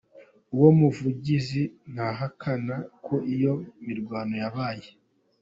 Uwo muvugizi ntahakana ko iyo mirwano yabaye.